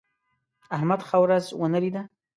احمد ښه ورځ ونه لیده.